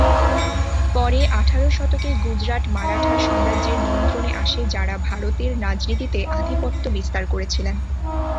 পরে আঠারো শতকে গুজরাট মারাঠা সাম্রাজ্যের নিয়ন্ত্রণে আসে যারা ভারতের রাজনীতিতে আধিপত্য বিস্তার করেছিলেন।